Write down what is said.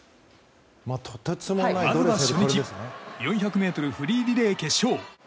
まずは初日４００ｍフリーリレー決勝。